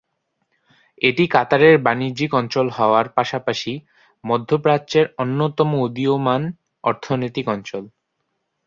এটি কাতারের বাণিজ্যিক অঞ্চল হওয়ার পাশাপাশি মধ্যপ্রাচ্যের অন্যতম উদীয়মান অর্থনৈতিক অঞ্চল।